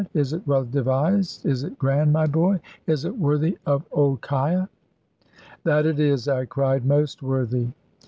Is it well devised, is it grand, my boy; is it worthy of old 'Kiah?" "That it is," I cried; "most worthy!"